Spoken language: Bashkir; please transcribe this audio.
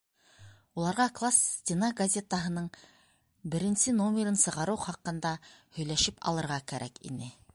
Уларға класс стена газетаһының беренсе номерын сығарыу хаҡында һөйләшеп алырға кәрәк ине.